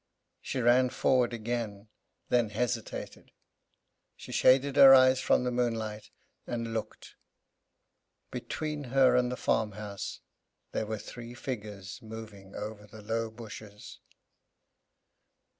She ran forward again, then hesitated. She shaded her eyes from the moonlight, and looked. Between her and the farmhouse there were three figures moving over the low bushes.